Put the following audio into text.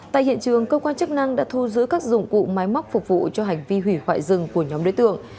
tại hiện trường cơ quan chức năng đã thu giữ các dụng cụ máy móc phục vụ cho hành vi hủy hoại rừng của nhóm đối tượng